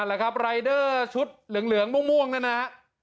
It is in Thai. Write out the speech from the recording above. มั่นล่ะครับรายเดอร์ชุดเหลืองม่วงนะครับ